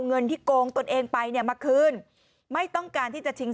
เงินที่โกงตนเองไปเนี่ยมาคืนไม่ต้องการที่จะชิง